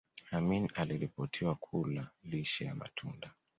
Amin aliripotiwa kula lishe ya matunda